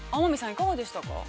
いかがでしたか。